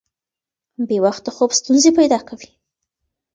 بې وخته خوب ستونزې پیدا کوي.